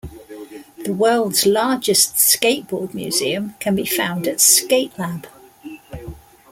The world's largest skateboard museum can be found at Skatelab.